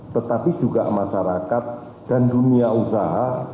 tetapi juga masyarakat dan dunia usaha